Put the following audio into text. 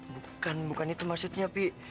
bukan bukan itu maksudnya pi